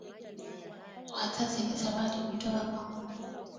Wazazi ni zawadi kutoka kwa Mungu